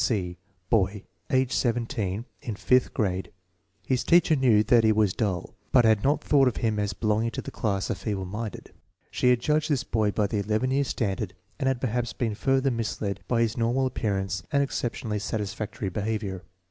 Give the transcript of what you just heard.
7). C. Boy, age 17; in fifth grade. His teacher knew that he was dull, but had not thought of him as belonging to the class of feeble minded. She had judged this boy by the 11 year standard and had perhaps been further misled by his normal appearance and exceptionally satisfactory behavior.